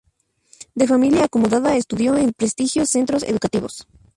De familia acomodada estudió en prestigiosos centros educativos.